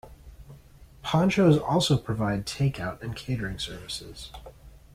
Pancho's also provides takeout and catering services.